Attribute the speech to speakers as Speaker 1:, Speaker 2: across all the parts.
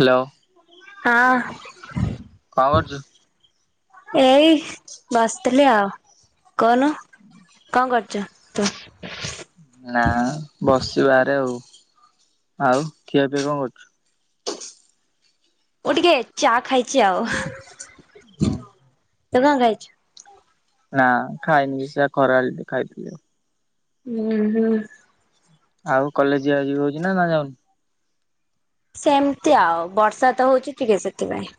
Speaker 1: Hello.
Speaker 2: ହଁ।
Speaker 1: କଣ କରୁଚୁ?
Speaker 2: ଏଇ ବସିଥିଲି ଆଉ କହୁନୁ କଣ କରୁଚୁ ତୁ?
Speaker 1: ନା ବସିଚି ବାହାରେ ଆଉ, ଆଉ ଖିଆ ପିଆ କଣ କରୁଛୁ?
Speaker 2: ମୁଁ ଟିକେ ଚା ଖାଇଛି ଆଉ।
Speaker 1: ହଁ।
Speaker 2: ତୁ କଣ ଖାଇଛୁ?
Speaker 1: ନା ଖାଇନି ସେଆ ଖରାବେଳେ ଟିକେ ଖାଇଥିଲି ଆଉ।
Speaker 2: ହୁଁ ହୁଁ।
Speaker 1: ଆଉ କଲେଜ ଯିବା ଯିବି ହଉଛି ନା ଯାଉନି?
Speaker 2: ସେମିତି ଆଉ ବର୍ଷା ତ ହଉଛି ଟିକେ ସେଥିପାଇଁ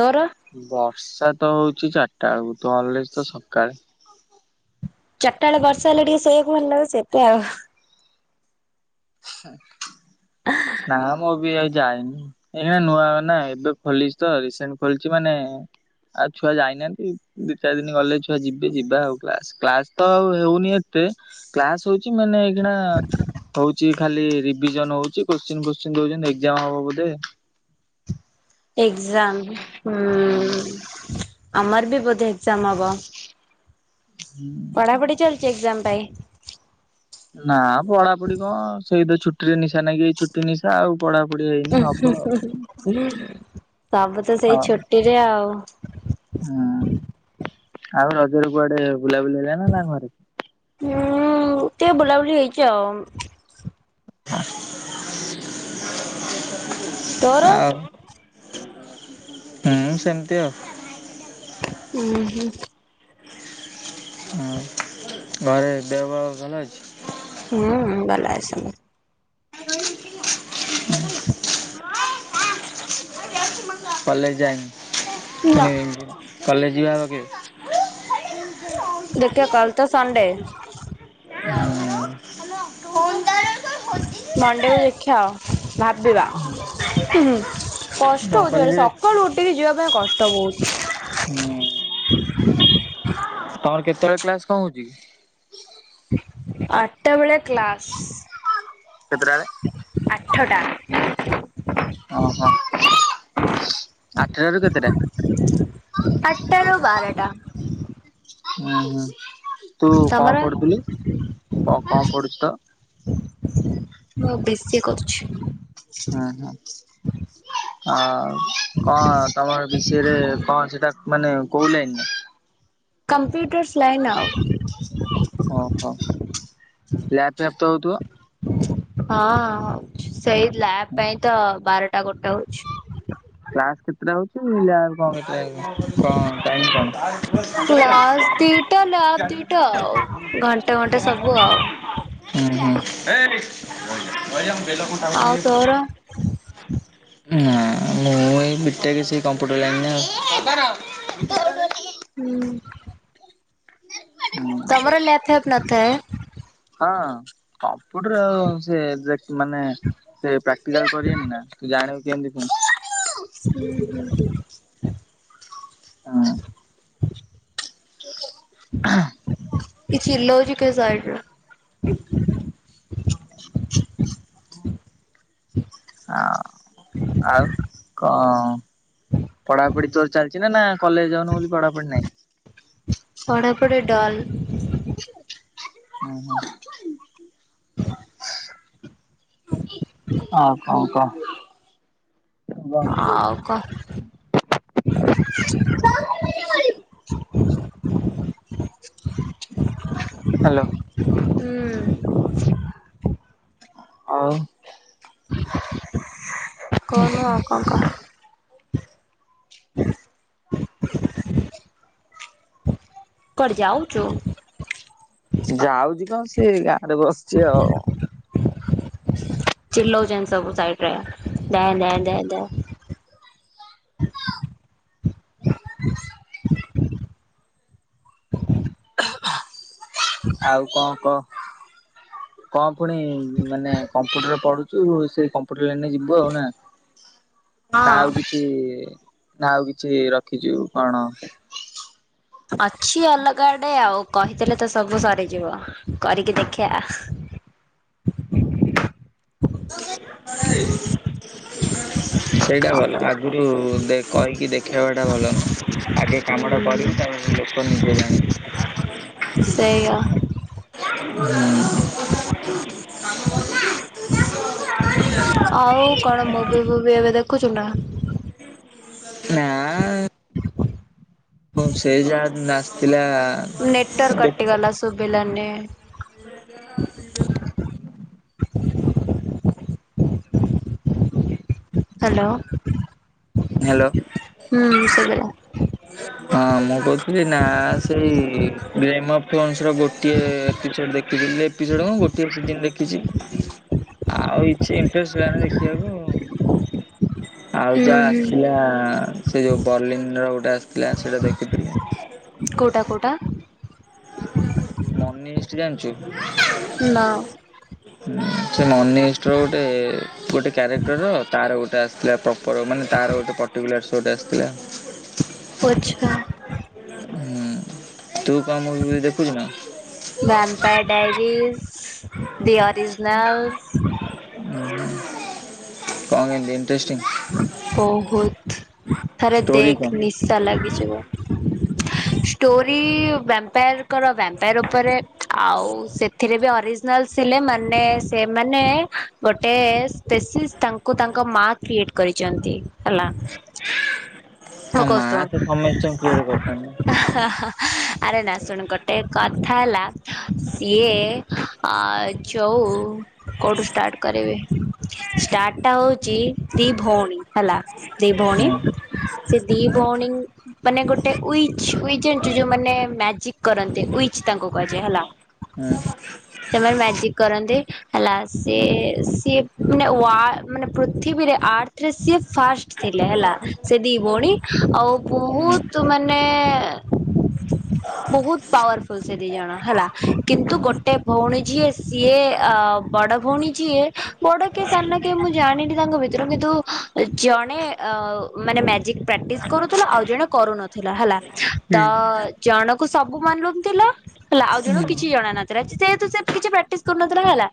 Speaker 2: ତୋର?
Speaker 1: ବର୍ଷା ତ ହଉଚି ଚାରିଟା ବେଳକୁ ତୋ କଲେଜ୍ ତ ସକାଳେ।
Speaker 2: ଚାରିଟା ବେଳେ ବର୍ଷା ହେଲେ ଟିକେ ଶୋଇବାକୁ ଭଲ ଲାଗେ ସେତେ ଆଉ।
Speaker 1: ନା ମୁଁ ବି ଆଉ ଯାଇନି। ଏଇନା ନୂଆ ନା ଏବେ ଖୋଲିଛି ତ ରିସେଣ୍ଟ ଖୋଲିଛି ମାନେ ଆଉ ଛୁଆ ଯାଇନାହାନ୍ତି ଦି ଚାରି ଦିନ ଗଲେ ଛୁଆ ଯିବେ ଯିବା ଆଉ କ୍ଲାସ୍ କ୍ଲାସ୍ ତ ହଉନି ଏତେ। କ୍ଲାସ ହଉଛି ମାନେ ଏଇକିଣା ଖାଲି ରିଭିଜନ ହଉଛି କୋତ୍ସିନ୍ ଫୋତ୍ସିନ ଦଉଛନ୍ତି ଏକ୍ସଜାମ୍ ହବ ବୋଧେ।
Speaker 2: ଏକ୍ସଜାମ
Speaker 1: ହୁଁ।
Speaker 2: ହଁ। ଆମର ବି ବୋଧେ ଏକ୍ସଜାମ୍ ହବ ପଢାପଢି ଚାଲିଛି ଏକ୍ସଜାମ୍ ପାଇଁ।
Speaker 1: ନା ପଢାପଢି କଣ ସେଇ ତ ଛୁଟି ରେ ନିଶା ନାଗିଛି ଛୁଟି ନିଶା ଆଉ। ପଢାପଢି ହେଇନି ହବ ଆଉ।
Speaker 2: ସବୁ ତ ସେଇ
Speaker 1: ଆଉ
Speaker 2: ଛୁଟିରେ ଆଉ।
Speaker 1: ହୁଁ ଆଉ ରଜରେ କୁଆଡେ ବୁଲାବୁଲି ହେଲା ନା ନା ଘରେ?
Speaker 2: ହୁଁ ତ ବୁଲାବୁଲି ହେଇଛି ଆଉ।
Speaker 1: [unintelligible]
Speaker 2: ତୋର?
Speaker 1: ଆଉ ହୁଁ ସେମିତି ଆଉ।
Speaker 2: ହୁଁ ହୁଁ।
Speaker 1: ଆଉ ଘରେ ଦେହ ପାହା ଭଲ ଅଛି?
Speaker 2: ହୁଁ ଭଲ ଅଛନ୍ତି।
Speaker 1: କଲେଜ ଯାଇନି
Speaker 2: ନା
Speaker 1: ପୁଣି କଲେଜ ଯିବା କେବେ?
Speaker 2: ଦେଖିବା କାଲି ତ ସଣ୍ତେ।
Speaker 1: ହୁଁ। [inaudible]
Speaker 2: ମଣ୍ଡେକୁ ଦେଖିବା ଆଉ। ଭାବିବା କଷ୍ଟ
Speaker 1: ତମ
Speaker 2: ହଉଛି ଭାରି
Speaker 1: କଲେଜରେ
Speaker 2: ସକାଳୁ ଉଠ କି ଯିବା ପାଇଁ କଷ୍ଟ ବହୁତ।
Speaker 1: ହୁଁ ତମର କେତେବେଳେ କ୍ଲାସ୍ କଣ ହଉଛି?
Speaker 2: ଆଠଟା ବେଳେ କ୍ଲାସ୍।
Speaker 1: କେତେଟା ବେଳେ?
Speaker 2: ଆଠଟା।
Speaker 1: ଓହୋ ଆଠଟା ରୁ କେତେଟା?
Speaker 2: ଅଠଟା ରୁ ବାରଟା।
Speaker 1: ହୁଁ ହୁଁ ତୁ
Speaker 2: ତମର?
Speaker 1: କଣ ପଢୁଥିଲୁ କଣ ପଢୁଛୁ ତ?
Speaker 2: ମୁଁ ବିସି କରୁଛି।
Speaker 1: ହୁଁ ହୁଁ ଆ କଣ ତମର ବିସି ରେ କଣ ସେଟା ମାନେ କୋଉ ଲଇନ୍ ରେ?
Speaker 2: କମ୍ପ୍ୟୁଟର୍ସ ଲାଇନ୍ ଆଉ।
Speaker 1: ଓହୋ ଲ୍ୟାପ୍ ଫ୍ୟାପ୍ ତ ହଉଥିବ?
Speaker 2: ହଁ ସେଇ ଲ୍ୟାବ ପାଇଁ ତ ବାରଟା ଗୋଟେ ହଉଛି।
Speaker 1: କ୍ଲାସ କେତେଟା ହଉଛି? ଲ୍ୟାବ [unintelligible] କଁ ଟାଇମ କଣ? [inaudible]
Speaker 2: କ୍ଲାସ ଦିଟା ଲ୍ୟାବ ଦିଟା ଆଉ ଘଣ୍ଟେ ଘଣ୍ଟେ ସବୁ ଆଉ।
Speaker 1: ହୁଁ
Speaker 2: ଆଉ
Speaker 1: ହୁଁ।
Speaker 2: ତୋର?
Speaker 1: ଉଁ ନାଁ। ମୁଁ ଏଇ ବିଟେକ ସେଇ କମ୍ପ୍ୟୁଟର ଲାଇନ ରେ ଆଉ।
Speaker 2: ହୁଁ।
Speaker 1: [inaudible]
Speaker 2: ତମର ଲ୍ୟାପ ଫ୍ୟାପ୍ ନଥାଏ।
Speaker 1: ହଁ କମ୍ପ୍ୟୁଟର ଆଉ ସେ ମାନେ ସେ ପ୍ରାକ୍ଟିକାଲ କରିବେନି ନା ତୁ ଜାଣିବୁ କେମିତି ପୁଣି।
Speaker 2: ଉଁ ହୁଁ।
Speaker 1: ଆଁ [inaudible]
Speaker 2: କିଏ ଚିଲ୍ଲୋଇଚି କେ ସାଇଡରେ?
Speaker 1: [inaudible] ଆ ଆଉ କ ପଢ଼ା ପଢ଼ି ତୋର ଚାଲିଛି ନା କଲେଜ ଯାଉନ ବୋଲି ପଢାପଢି ନାହିଁ।
Speaker 2: ପଢ଼ାପଢି ଡଲ।
Speaker 1: ଉଁ ହୁଁ। ଅ କଁ କହ।
Speaker 2: ଅଉ କହ।
Speaker 1: ହ୍ୟାଲୋ।
Speaker 2: ହୁଁ।
Speaker 1: ଆଉ।
Speaker 2: କହୁନୁ ଆଉ କଣ କହ। କୁଆଡେ ଯାଉଛୁ?
Speaker 1: ଯାଉଛି କଣ ସିଏ ଗାଁ ରେ ବସିଛି ଆଉ।
Speaker 2: ଚିଲଉଛନ୍ତି ସବୁ ସାଇଡ ରେ ଦେଁ ଦେ ଦେଂ ଦେ।
Speaker 1: ଆଉ କଣ କହ। କଣ ପୁଣି ମାନେ କମ୍ପ୍ୟୁଟରରେ ପଢୁଛୁ ସେଇ କମ୍ପୁଟର ଲାଇନ ରେ ଯିବୁ ବୁ ଆଉ ନା ନା
Speaker 2: ହଁ।
Speaker 1: ଆଉ କିଛି। ଛି ନା ଆଉ କିଛି ରଖିଛୁ କଣ।
Speaker 2: ଅଛି ଅଲଗା ଆଡେ ଆଉ କହିଦେଲେ ତ ସବୁ ସରିଯିବ କରିକି ଦେଖିବା।
Speaker 1: ସେଇଟା ଭଲ
Speaker 2: କମ୍ପି
Speaker 1: ଆ ଆଗରୁ କହିକି ଦେଖେଇବାଟା ଭଲ ନୁହେଁ ଆଗେ କାମଟା କରିବି
Speaker 2: ହୁଁ
Speaker 1: ତାପ ଲୋକ ନିଜେ ଜାଣିବେ। [inaudible]
Speaker 2: ସେଇଆ।
Speaker 1: [unintelligible]
Speaker 2: ଆଉ କଣ ମୁଭି ଫୁବି ଏବେ ଦେଖୁଛୁ ନା?
Speaker 1: ନା। ସେଇ ଯାହା ନାଚଥିଲା।
Speaker 2: ନେଟର୍ କଟିଗଲା ସୁଭିିଲାନି।
Speaker 1: [inaudible]
Speaker 2: ହ୍ୟାଲୋ।
Speaker 1: ହ୍ୟାଲୋ
Speaker 2: ହୁଁ ଶୁଭିଲା।
Speaker 1: ହଁ ମୁଁ କହୁ ନା ସେଇ ରେ ଫଣସର ଗୋଟିଏ ଏପିସୋଡ଼୍ ଦେଖିଥିଲି ଏପିସୋଡ଼୍ ମୁଁ ଗୋଟିଏ ସିଜିନ୍ ଦେଖିଛି। ଆଉ ଇଛ ଇଣ୍ଟରେଷ୍ଟ ହେଲାନ ଦେଖିବାକୁ। ଆଉ
Speaker 2: ହୁଁ
Speaker 1: ଯାହା
Speaker 2: ହୁଁ
Speaker 1: ଆସିଥିଲା ସେ ଯୋଉ ବର୍ଲିନ୍ ର ଗୋଟେ ଆସିଥିଲା ସେଇଟା ଦେଖିଥିଲି।
Speaker 2: କଉଟା କଉଟା?
Speaker 1: ମନି ହିଷ୍ଟ ଜାଣିଛୁ?
Speaker 2: ନା।
Speaker 1: ହୁଁ। ସେ ମନି ହିଷ୍ଟର ଗୋଟେ ଗୋଟେ କ୍ୟାରେକ୍ଟରର ତାର ଗୋଟେ ଆସିଥିଲା ତ ପର ମାନେ ତାର ଗୋଟେ ପଟିକୁଲାର ଶୋ ଟେ ଆସିଥିଲା।
Speaker 2: ଓ ଆଚ୍ଛା।
Speaker 1: ହୁଁ ତୁ କାହା ମୁଭି ଫୁଭି ଦେଖୁଛୁ ନା?
Speaker 2: Vampire Diaries The Originals.
Speaker 1: ହୁଁ [unintelligible] ଟେଷ୍ଟିଂ।
Speaker 2: ବହୁତ ଥରେ
Speaker 1: ଷ୍ଟୋରି
Speaker 2: ଦେଖ
Speaker 1: କଣ?
Speaker 2: ନି ଶା ଲାଗିଯିବ ଷ୍ଟୋରି ଭାମ୍ପାୟାରଙ୍କର ଭାମ୍ପାୟାର ଉପରେ। ଆଉ ସେ ଥିରେ ବି ଅରିଜିନାଲ ଥିଲେ ମାନେ ସେମାନେ ଗୋଟେ ସ୍ପେଶିସ ତାଙ୍କୁ ତାଙ୍କ ମା କ୍ରିଏଟ କରିଛନ୍ତି ହେଲା। ହଁ
Speaker 1: ମା
Speaker 2: କସୁ
Speaker 1: ତ ସମସ୍ତଙ୍କୁ
Speaker 2: ହା
Speaker 1: କ୍ରିଏଟ କରିଥାନ୍ତି।
Speaker 2: ହା। ଆରେ ନା ଶୁଣ ଗୋଟେ କଥା ହେଲା ସିଏ। ଆ ଯୋଉ କଉଠୁ ଷ୍ଟାର୍ଟ କରିବି ଷ୍ଟାର୍ଟଟା ହଉଛି। ଦି ଭଉଣୀ ହେଲା।
Speaker 1: ହଁ।
Speaker 2: ଦି ଭଉଣୀ ସେ ଦି ଭଉଣୀ। ମାନେ ଗୋଟେ ୱିଚ ୱିଚ ଜାଣିଚୁ ଯୋଉ ମାନେ ମ୍ୟାଜିକ କରନ୍ତି ୱିଚ ତାଙ୍କୁ କୁହାଯାଏ ହେଲା।
Speaker 1: ହୁଁ।
Speaker 2: ସେମାନେ ମ୍ୟାଜିକ କରନ୍ତି ହେଲା ସେ
Speaker 1: ହୁଁ ହୁଁ।
Speaker 2: ସିଏ ମାନେ ୱା ମାନେ ପ୍ରୁ ପୃଥିବୀରେ ଆର୍ଥରେ ସିଏ ଫାର୍ଷ୍ଟ ଥିଲେ ହେଲା ସେ ଦି ଭଉଣୀ ଆଉ
Speaker 1: ହୁଁ ହୁଁ
Speaker 2: ବହୁତ। ତୁ ମାନେ। ବହୁତ ପାୱାରଫୁଲ ସେ ଦି ଜଣ ହେଲା କିନ୍ତୁ ଗୋଟେ ଭଉଣୀ ଯିଏ। ସିଏ ଆ ବଡ ଭଉଣୀ ଯିଏ ବଡ କିଏ ସାନ କିଏ ମୁଁ ଜାଣିନି ତାଙ୍କ ଭିତରୁ କିନ୍ତୁ ଜଣେ ଅ ମାନେ ମ୍ୟାଜିକ ପ୍ରାକ୍ଟିସ୍ କରୁଥିଲା ଆଉ ଜଣେ କରୁନ ଥିଲା ହେଲା
Speaker 1: ହୁଁ
Speaker 2: ତ
Speaker 1: ହୁଁ ହୁଁ।
Speaker 2: ଜଣ କୁ ସବୁ ମାଲୁମ ଥିଲା। ହେଲା ଆଉ
Speaker 1: ହୁଁ
Speaker 2: ଜଣକୁ
Speaker 1: ହୁଁ ହୁଁ ହୁଁ ହୁଁ
Speaker 2: କିଛି ଜଣ ନଥିଲା ଯେହେତୁ କିଛି ପ୍ରାକ୍ଟିସ କରୁନଥିଲା ହେଲା।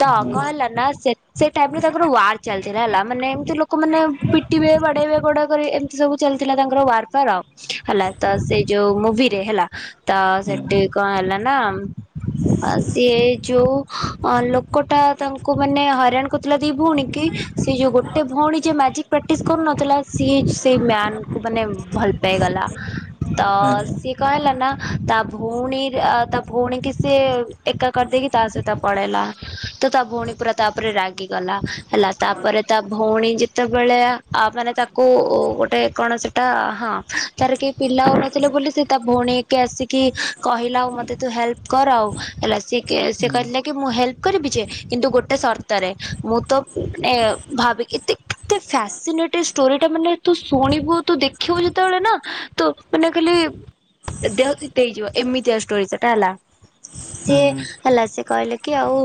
Speaker 2: ତ କଣ ହେଲା ନା ସେ ସେ ଟାଇମରେ ତାଙ୍କର ୱା ଚାଲିଥିଲା ହେଲା ମାନେ ଏମିତି ଲୋକମାନେ ପିଟିବେ ବାଡେଇବେ ଘୋଡ଼ା କରିବେ ଏମିତି ସବୁ ଚାଲିଥିଲା ତାଙ୍କର ୱାର ଫାର ଆଉ। ହେଲା ତ ସେ ଯୋଉ ମୁଭିରେ ହେଲା ତ ସେଠି କଣ ହେଲା ନା। ଆ ସିଏ ଯୋଉ ଅ ଲୋକଟା ତାଙ୍କୁ ମାନେ ହଇରାଣ କରୁଥିଲା ଦି ଭଉଣୀ କି। ସେ ଯୋଉ ଗୋଟେ ଭଉଣୀ ଯିଏ ମ୍ୟାଜିକ ପ୍ରାକ୍ଟିସ କରୁନଥିଲା ସିଏ ସେ ମ୍ୟାନ କୁ ମାନେ ଭଲ ପାଇଗଲା। ତ ସିଏ କହିଲା ନା ତା ଭଉଣୀର ଆ ତା ଭଉଣୀ କି ସେ। ଏକା କରିଦେଇକି ତା ସହିତ ପଳେଇଲା ତ ତା ଭଉଣୀ ପୁରା ତା ଉପରେ ରାଗିଗଲା। ହେଲା ତାପରେ ତା ଭଉଣୀ ଯେତେବେଳେ ଆ ଆ ମାନେ ତାକୁ ଉ ଗୋଟେ କଣ ସେଟା ହଁ। ତାର କେହି ପିଲା ହଉନଥିଲେ ବୋଲି ସେ ତା ଭଉଣୀ କି ଆସିକି କହିଲା ଆଉ ମତେ ତୁ ହେଲ୍ପ। କର ଆଉ ହେଲା ସେ କେ ସେ କହିଥିଲା କି ମୁଁ ହେଲ୍ପ କରିବି ଯେ କିନ୍ତୁ ଗୋଟେ ସର୍ତ୍ତରେ ମୁଁ ତୋ ଏ ଭାବେ ଏତେ। ଏତେ ଫ୍ୟାସିନେଟି ଷ୍ଟୋରି ଟା ମାନେ ତୁ ଶୁଣିବୁ ତୁ ଦେଖିବୁ ଯେତେବେଳେ ନା ତୁ ମାନେ ଖାଲି। ଦେହ ଶୀତେଇ ହେଇଯିବ ଏମିତିଆ ଷ୍ଟୋରି ସେଟା ହେଲା। ସିଏ ହେଲା ସେ କହିଲେ କି ଆଉ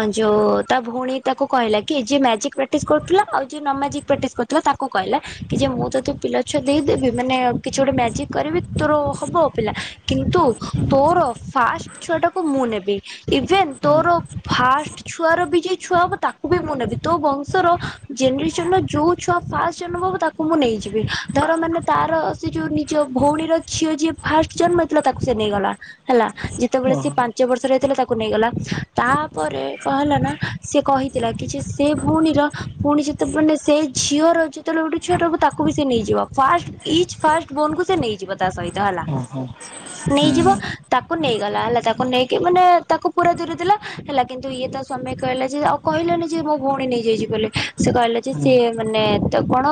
Speaker 2: ଅ ଯୋଉଁ ତା ଭଉଣୀ ତାକୁ କହିଲା। କି ଯିଏ ମ୍ୟାଜିକ ପ୍ରାକ୍ଟିସ କରୁଥିଲା ଆଉ ଯିଏ ନ ମ୍ୟାଜିକ ପ୍ରାକ୍ଟିସ କରୁଥିଲା ତାକୁ କହିଲା କି ଯେ ମୁଁ ତତେ ପିଲା ଛୁଆ ଦେଇଦେବି ମାନେ କିଛି ଗୋଟେ ମ୍ୟାଜିକ କରିବି ତୋର ହବ ପିଲା କିନ୍ତୁ ତୋର ଫାଷ୍ଟ। ଛୁଆଟାକୁ ମୁଁ ନେବି ଇଭେନ ତୋର ଫାର୍ଷ୍ଟ ଛୁଆର ବି ଯିଏ ଛୁଆ ହବ ତା ବି ମୁଁ ନେବି ତୋ ବଂଶର ଜେନେରେସନ ର ଯୋଉ ଛୁଆ ଫାଷ୍ଟ ଜନ୍ମ ହବ ତାକୁ ମୁଁ ନେଇଯିବି ଧର ମାନେ। ତାର ସେ ଯୋଉ ନିଜ ଭଉଣୀର ଝିଅ ଯିଏ ଫାଷ୍ଟ ଜନ୍ମ ହେଇଥିଲା ତାକୁ ସେ ନେଇଗଲା ହେଲା। ଯେତେବେଳେ ସିଏ
Speaker 1: ଓହୋ
Speaker 2: ପାଞ୍ଚ ବର୍ଷରେ ହେଇଥିଲା ତାକୁ ନେଇଗଲା ତାପରେ କହଲା ନା ସିଏ କହି। ଥିଲା କି ଯେ ସେ ଭଉଣୀର ପୁଣି ଯେତେବେ ମାନେ ସେ ଝିଅର ଯେତେବେଳେ ଗୋଟେ ଛୁଆଟ ହବ ତାକୁ ବି ସେ ନେଇଯିବ। ଫାଷ୍ଟଇ ଫଷ୍ଟ ବୋନ କୁ ସେ ନେଇଯିବ ତା ସହିତ ହେଲା
Speaker 1: ଓହୋ ହୁଁ।
Speaker 2: ନେଇଯିବ। ତାକୁ ନେଇଗଲା ହେଲା ତାକୁ ନେଇକି ମାନେ ତାକୁ ପୁରା ଦୂରେ ଦେଲା ହେଲା କିନ୍ତୁ ଇଏ ତା ସ୍ବାମି କହିଲା ଯେ। କହିଲାନି ଯେ ମୋ ଭଉଣୀ ନେଇଯାଇଛି ବୋଲି ସେ କହିଲା ଯେ
Speaker 1: ହୁଁ
Speaker 2: ସିଏ ମାନେ ତ କଣ।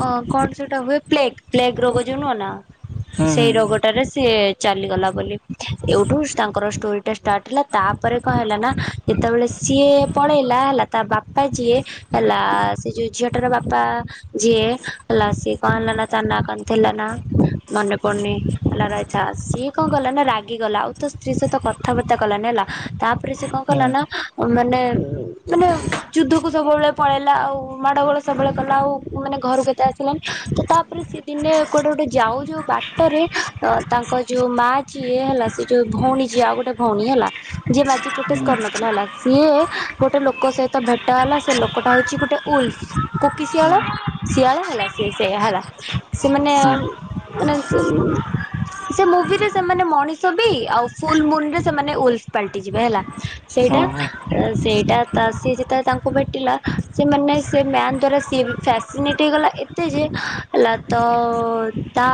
Speaker 2: ଅ କଣ ସେଟା ହୁଏ ପ୍ଲେଗ ପ୍ଲେଗ ରୋଗ ଯୋଉ ନୁହଁ ନା
Speaker 1: ହୁଁ ହୁଁ
Speaker 2: ସେଇ ରୋଗଟା। ସ ଚାଲିଗଲା ବୋଲି ଏଇଠୁ ତାଙ୍କର ଷ୍ଟୋରି ଟା ଷ୍ଟାର୍ଟ ହେଲା ତାପରେ କଣ ହେଲା ନା। ଯେତେବେଳେ ସିଏ ପଳେଇଲା ହେଲା ତା ବାପା ଯିଏ ହେଲା ସେ ଯୋଉ ଝିଅଟାର ବାପା ଯିଏ ହେଲା ସିଏ କଣ ହେଲା ନା ତା ନାଁ କଣଥିଲା ନା ମନେ ପଡୁନି ହେଲା ରଛା ସିଏ କଣ କଲା ନା ରାଗିଗଲା ଆଉ ତ ସ୍ତ୍ରୀ ସହିତ କଥାବାର୍ତ୍ତା କଲାନି ହେଲା ତା ତାରେ ସେ କଣ
Speaker 1: ହୁଁ
Speaker 2: କଳନା ମାନେ ମାନେ ଯୁଦ୍ଧକୁ ସବୁବେଳେ ପଳେଇଲା ଆଉ ମାଡ ଗୋଳ ସବୁବେଳେ କଲା ଆଉ ମାନେ ଘରକୁ କେ ଆସିଲାାନଣି ତ ତାପରେ ସେ ଦିନେ କୁଆଟେ ଗୋଟେ ଯାଉ ଯୋଉ ବାଟରେ ତାଙ୍କ ଯୋଉ ମା ଯିଏ ହେଲା ସେ ଯୋଉ ଭଉଣୀ ଯିଏ ଆଉ ଗୋଟେ ଭଉଣୀ ହେଲା ଯିଏ ମାଜି କ୍ରିଟିସ୍
Speaker 1: ହୁଁ
Speaker 2: କରନଥିଲା ହେଲା ସିଏ ଗୋଟେ ଲୋକ ସହିତ ଭେଟ ହେଲା ସେ ଲୋକଟା ହଉଛି ଗୋଟେ ଉଲସ କ କୋକିସିଆଲ
Speaker 1: ହୁଁ
Speaker 2: ଶିଆଳ ହେଲା ସେ ସେ ହେଲା ସେମାନେ
Speaker 1: ହୁଁ
Speaker 2: ମାନେ ସେ ମୁଭିରେ ସେମାନେ ମଣିଷ ବି ଆଉ ଫୁଲ ମୁନ ରେ ସେମାନେ ଉଲଫ ପାଲଟି ଯିବେ ହେଲା ସେଇଟା
Speaker 1: ଓହୋ।
Speaker 2: ସେଇଟା ତା ସିଏ ଯେତେବେଳେ ତାଙ୍କୁ ଭେଟିଲା ସେମାନେ ସେ ମ୍ୟାନ୍ ଦ୍ଵାରା ସିଏ ଫ୍ୟାସିନେଟ୍ ହେଇଗଲା ଏତେ ଯେ ହେଲା ତ ତା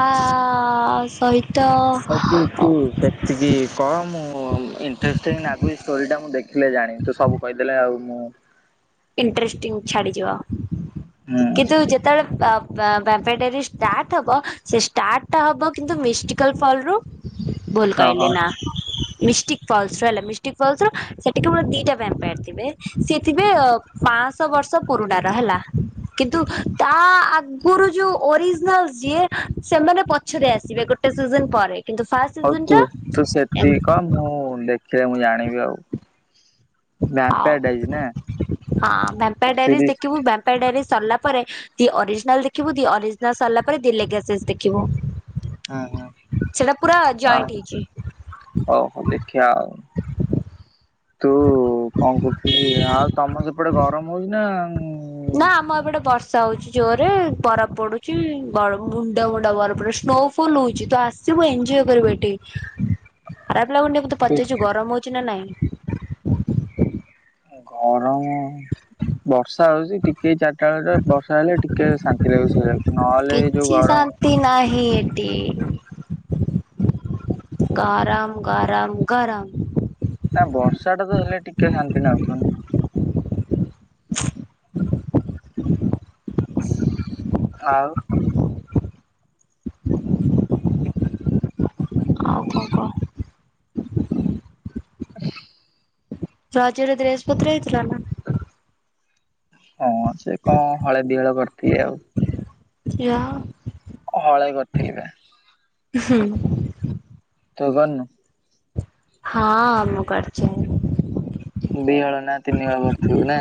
Speaker 2: ସହିତ ତ
Speaker 1: ଏକି କଣ ମୁଁ ଇନ୍ତ୍ରେଷ୍ଟିଙ୍ଗ ଲାଗୁଛି ଷ୍ଟୋରି ଟା ମୁଁ ଦେଖିଲେ ଜାଣିବି ତୁ ସବୁ କହିଦେଲେ ଆଉ ମୁଁ
Speaker 2: ଇଣ୍ଟରେଷ୍ଟିଙ୍ଗ ଛାଡ଼ିଯିବା
Speaker 1: ହୁଁ
Speaker 2: କିନ୍ତୁ ଯେତେବେଳେ ବପେଟୀ ଷ୍ଟାର୍ଟ ହବ ସେ ଷ୍ଟାର୍ଟ ହବ କିନ୍ତୁ ମିଷ୍ଟାଲ ଫଲ ରୁ ଭଲ କହ
Speaker 1: ଓହୋ
Speaker 2: ନା ଫଲସ ର ହେଲା ମିଷ୍ଟିକ ଫଲ ର ସେଠି ମର ଦିଟା ବ୍ୟାମ୍ପାୟାର ଥିବେ ସିଏଥେ ପାଞ୍ଚଶହ ବର୍ଷ ପୁରୁଣା ର ହେଲା କିନ୍ତୁ ତା ଆଗରୁ ଯୋଉ ଅରିଜିନାଲ ଯିଏ ସେମାନେ ପଛରେ ଆସିବେ ଗୋଟେ ସି ପରେ କିନ୍ତୁ ଫ
Speaker 1: ହଉ ତୁ ତୁ ସେତିକି କ ମୁଁ ଦେଖିଲେ ମୁଁ ଜାଣିବି ଆଉ
Speaker 2: ଆଉ
Speaker 1: ବ୍ୟାମ୍ପେଡଛି ନା
Speaker 2: ହଁ ଭେମ୍ପ ଡାଇରିୀ
Speaker 1: ସିରିଜ
Speaker 2: ଦେଖିବୁ ବେମ୍ପ ଡାଇରୀ ସରିଲା ପରେ ଦି ଅରିଜିନାଲ ଦେଖିବୁ ଦି ଅରିଜିନାଲ ସରିଲା ପରେ ଦି ଲସ ଦେଖିବୁ
Speaker 1: ହଁ ହଁ
Speaker 2: ସେଟା ପୁରା
Speaker 1: ଆ
Speaker 2: ଜଏଣ୍ଟ ହେଇଛି
Speaker 1: ହଉ ଦେଖିବା ଆଉ
Speaker 2: ହଁ
Speaker 1: ଓ କଣ କହୁଥିଲ ଆଉ ତମର ସେପଟେ ଗରମ ହଉଛି ନା
Speaker 2: ନା ଆମ ଏପଟେ ବର୍ଷ ବର୍ଷା ହଉଚି ଜୋରରେ ବରାଫ ପଡୁଛି ମୁଣ୍ଡା ମୁଣ୍ଡା ବର ପଡୁଛି ସ୍ନୋଫଲ ହଉଛି ତ ଆ ସବୁ ଏଞଜୟ କରିବ ଏଠି ଖରାପ ଲାଗୁନକୁ ତ
Speaker 1: ଉଁ
Speaker 2: ପଚାରୁଛୁ ଗରମ ହଉଛି ନା ନାଇଁ
Speaker 1: ଗରମ ବର୍ଷା ହଉଛି ଟିକେ ଚାରିଟା ବେଳରେ ବର୍ଷା ହେଲେ ଟିକେ ଶାନ୍ତି ଲାଗୁଛି ନହେଲେ ଯୋଉ ଗରମ
Speaker 2: ତି ନାହିଁ ଏଠି ଗରମ ଗରମ ଗରମ
Speaker 1: ନା ବର୍ଷା ଟା ତ ହେଲେ ଟିକେ ଶାନ୍ତି ନାାଗଉଥିବ
Speaker 2: ହ
Speaker 1: ଆଉ।
Speaker 2: ଆଉ କଣ କହ। ରଜରେ ବ୍ରେସେପତ୍ର ହେଇଥିଲା ନା?
Speaker 1: ହଁ ସେ କଣ ହଳେ ଦିହଳ କରିଥିବେ ଆଉ।
Speaker 2: ଯାହଉ।
Speaker 1: ହଳେଇ କରିଥିଲେ ବା।
Speaker 2: ହୁଁ।
Speaker 1: ତୁ କରିନୁ?
Speaker 2: ହଁ ମୁଁ କରିଛି।
Speaker 1: ଦିହଳ ନା ତିନିହଳ କରିଥିବୁ ନା?